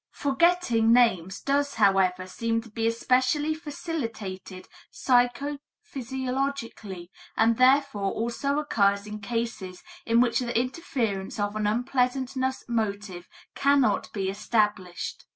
Forgetting names does, however, seem to be especially facilitated psycho physiologically and therefore also occurs in cases in which the interference of an unpleasantness motive cannot be established.